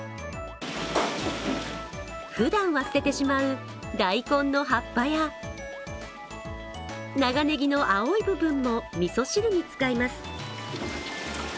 ふだんは捨ててしまう大根の葉っぱや、長ねぎの青い部分もみそ汁に使います。